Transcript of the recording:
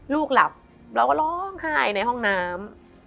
หลับเราก็ร้องไห้ในห้องน้ำ